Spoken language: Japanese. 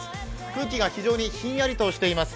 空気が非常にひんやりとしています。